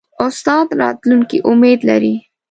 استاد د راتلونکي امید لري.